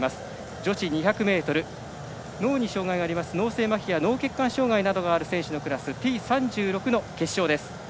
女子２００ｍ脳に障がいがある脳性まひや脳血管障がいのある選手のクラスＴ３６の決勝です。